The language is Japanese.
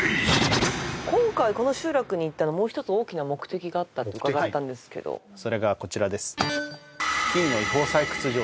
今回この集落に行ったのはもう一つ大きな目的があったって伺ったんですけどそれがこちらです